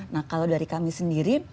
nah kalau dari kami sendiri